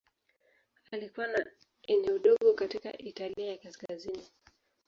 Alikuwa na eneo dogo katika Italia ya Kaskazini.